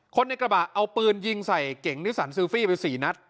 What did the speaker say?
ในกระบะเอาปืนยิงใส่เก่งนิสันซิลฟี่ไป๔นัด